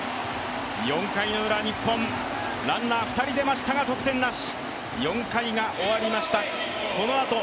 ４回ウラ、日本ランナー２人出ましたが得点なし。